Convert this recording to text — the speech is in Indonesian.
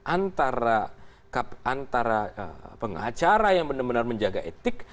antara pengacara yang benar benar menjaga etik